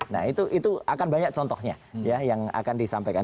nah itu akan banyak contohnya ya yang akan disampaikan